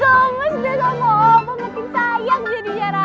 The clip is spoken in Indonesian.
ih gomong sudah sama opah ngerti sayang jadinya ra ra